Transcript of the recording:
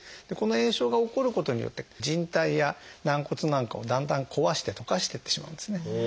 この炎症が起こることによって靭帯や軟骨なんかをだんだん壊して溶かしていってしまうんですね。